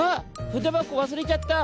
ふでばこわすれちゃった！